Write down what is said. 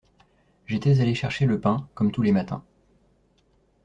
J’étais allé chercher le pain, comme tous les matins.